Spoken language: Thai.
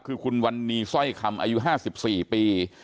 คือคุณวันนี้สร้อยคำอายุ๕๔ปี